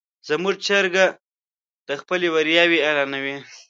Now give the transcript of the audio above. زموږ چرګه خپلې بریاوې اعلانوي.